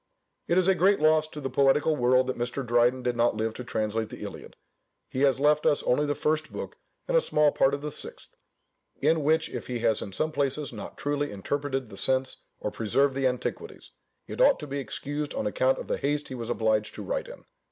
It is a great loss to the poetical world that Mr. Dryden did not live to translate the Iliad. He has left us only the first book, and a small part of the sixth; in which if he has in some places not truly interpreted the sense, or preserved the antiquities, it ought to be excused on account of the haste he was obliged to write in.